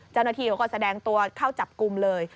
เจ้าหน้าที่เขาก็แสดงตัวเข้าจับกลุ่มเลย